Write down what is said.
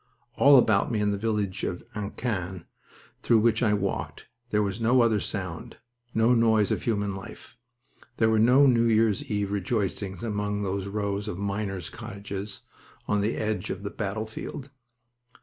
All about me in the village of Annequin, through which I walked, there was no other sound, no noise of human life. There were no New Year's eve rejoicings among those rows of miners' cottages on the edge of the battlefield.